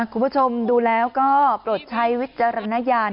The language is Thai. คุณผู้ชมดูแล้วก็โปรดใช้วิจารณญาณ